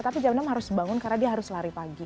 tapi jam enam harus bangun karena dia harus lari pagi